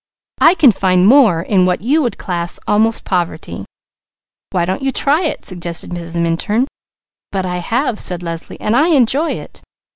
I can find more in what you would class almost poverty." "Why don't you try it?" suggested Mrs. Minturn. "But I have!" said Leslie. "And I enjoy it!